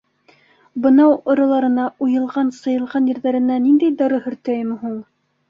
- Бынау ороларына, уйылган-сыйылган ерҙәренә ниндәй дарыу һөртәйем һуң?